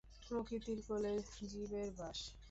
প্রকৃতির কোলে জীবের বাস।